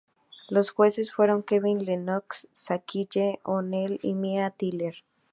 Los jueces fueron Kevin Lennox, Shaquille O'Neal y Mia Tyler.